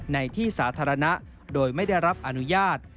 ในที่สาธารณะโดยไม่ได้รับอนุญาต